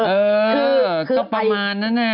เออก็ประมาณนั้นนะ